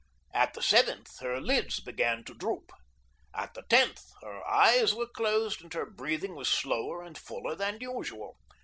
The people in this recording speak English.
At the seventh her lids began to droop. At the tenth her eyes were closed, and her breathing was slower and fuller than usual.